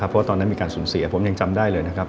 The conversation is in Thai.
เพราะตอนนั้นมีการสูญเสียผมยังจำได้เลยนะครับ